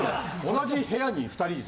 同じ部屋に２人で。